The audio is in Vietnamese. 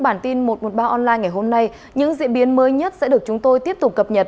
bản tin một trăm một mươi ba online ngày hôm nay những diễn biến mới nhất sẽ được chúng tôi tiếp tục cập nhật